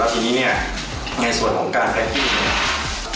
และทีนี้ให้ส่วนของการแบกกิ้ม